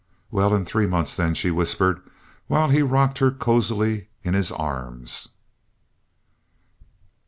"Well, in three months then," she whispered, while he rocked her cozily in his arms.